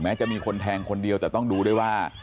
จะมีคนแทงคนเดียวแต่ต้องดูด้วยว่า